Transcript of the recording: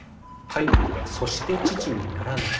タイトルは「そして父にならない」。